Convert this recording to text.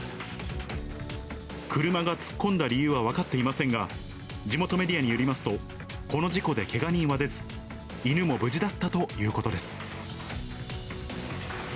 車が突っ込んだ理由は分かっていませんが、地元メディアによりますと、この事故でけが人は出ず、犬も無事だったということです。